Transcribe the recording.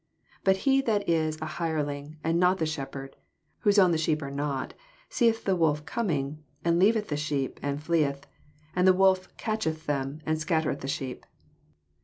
12 Bat be that is an hireling, and not the shepherd, whose own the sheep are not, seeth the wolf ooming, and leaveth the sheep, and fleeth: and the wolf (uitoheth them, and scattereth the sheep.